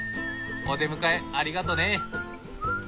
お出迎えありがとね。